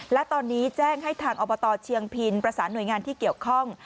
และตอนนี้แจ้งให้ทางอบตเชียงพินประสานหน่วยงานที่เกี่ยวข้อง